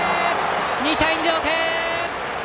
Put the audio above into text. ２対２、同点！